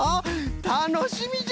たのしみじゃ！